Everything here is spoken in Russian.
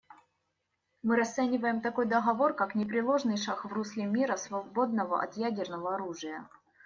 Мы расцениваем такой договор как непреложный шаг в русле мира, свободного от ядерного оружия.